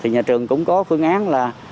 nhà trường cũng có phương án